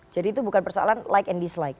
jadi itu bukan persoalan like and dislike